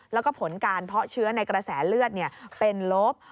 แล้วก็ผลการเพาะเชื้อในกระแสเลือดเป็นลบ